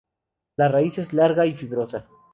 La raíz es larga y fibrosa.